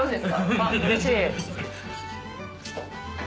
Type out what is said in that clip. わっうれしい。